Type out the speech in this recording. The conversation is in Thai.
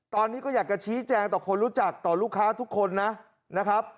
ตอนนี้ก็อยากจะชี้แจงต่อคนรู้จักต่อลูกค้าทุกคนนะครับ